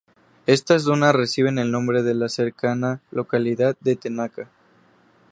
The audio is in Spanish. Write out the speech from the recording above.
Estas dunas reciben el nombre de la cercana localidad de Tanaka.